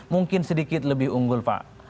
mungkin sedikit lebih unggul pak